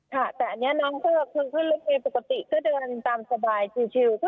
ค่ะแต่อันนี้น้องคือคือเรื่องมีปกติก็เดินตามสบายจริง